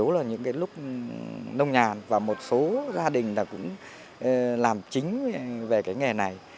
lúc nông nhà và một số gia đình cũng làm chính về cái nghề này